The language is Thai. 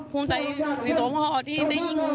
ภูมิใจอะไรต่อคุณพ่อที่ได้ยิง